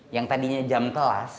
yang tadinya jam kelas